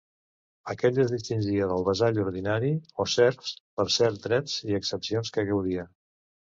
Aquell es distingia del vassall ordinari o serfs per certs drets i exempcions que gaudia.